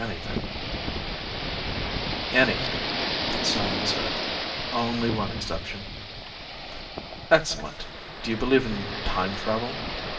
"Anything," Simon said. "Only one exception." "Excellent. Do you believe in time travel?"